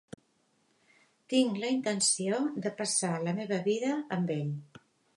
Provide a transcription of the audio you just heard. Tinc la intenció de passar la meva vida amb ell.